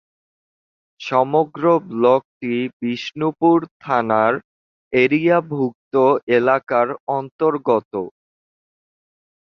সমগ্র ব্লকটি বিষ্ণুপুর থানার এক্তিয়ারভুক্ত এলাকার অন্তর্গত।